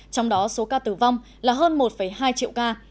trong đó số ca tử vong là hơn một hai triệu ca